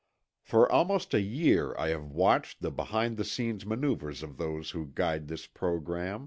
For almost a year I have watched the behind the scenes maneuvers of those who guide this program.